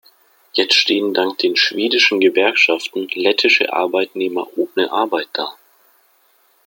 Jetzt stehen dank den schwedischen Gewerkschaften lettische Arbeitnehmer ohne Arbeit da.